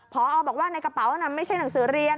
พอบอกว่าในกระเป๋านั้นไม่ใช่หนังสือเรียน